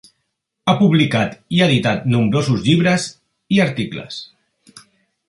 Ha publicat i editat nombrosos llibres i articles.